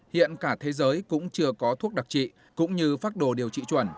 hiện cả thế giới cũng chưa có thuốc đặc trị